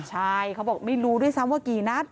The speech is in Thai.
ใช่เขาบอกไม่รู้ด้วยซ้ำว่ากี่นัด